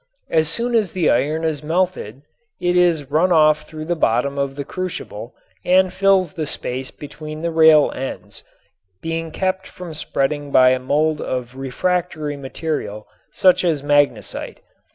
As soon as the iron is melted it is run off through the bottom of the crucible and fills the space between the rail ends, being kept from spreading by a mold of refractory material such as magnesite.